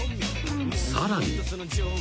［さらに］